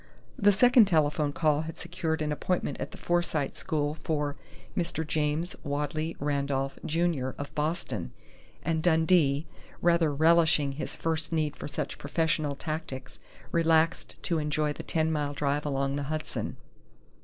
The second telephone call had secured an appointment at the Forsyte School for "Mr. James Wadley Randolph, Jr., of Boston," and Dundee, rather relishing his first need for such professional tactics, relaxed to enjoy the ten mile drive along the Hudson.